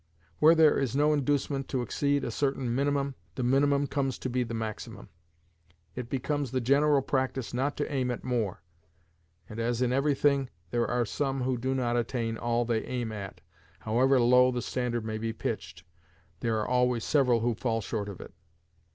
Where there is no inducement to exceed a certain minimum, the minimum comes to be the maximum: it becomes the general practice not to aim at more; and as in every thing there are some who do not attain all they aim at, however low the standard may be pitched, there are always several who fall short of it.